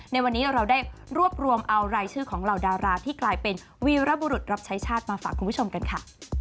ในวันนี้เราได้รวบรวมเอารายชื่อของเหล่าดาราที่กลายเป็นวีรบุรุษรับใช้ชาติมาฝากคุณผู้ชมกันค่ะ